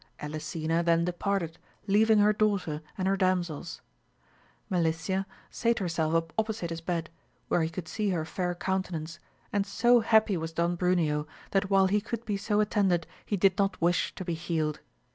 Elisena then departed, leaving her daughter and her damsels. Melicia sate herself opposite his bed, where he could see her lair countenance, and so happy was Don Bruneo that while he could be so attended he did not wish to be healed.